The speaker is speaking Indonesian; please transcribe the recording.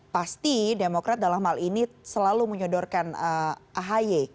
pasti demokrat dalam hal ini selalu menyodorkan ahy